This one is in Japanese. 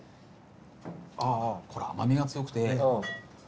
あーこれ甘味が強くて。